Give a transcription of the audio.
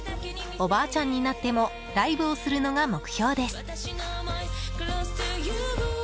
おばあちゃんになってもライブをするのが目標です。